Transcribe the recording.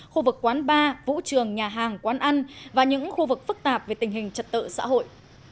khu vực quán bar vũ trường nhà hàng quán ăn và những khu vực phức tạp về tình hình trật tự xã hội